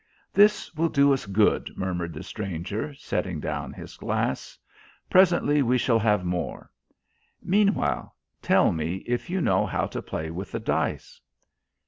"This will do us good," murmured the stranger, setting down his glass. "Presently we shall have more. Meanwhile, tell me if you know how to play with the dice."